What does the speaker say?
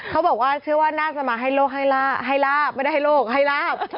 เขาบอกว่าเชื่อว่าน่าจะมาไฮโลไฮลาไฮลาไม่ได้ไฮโลไฮลา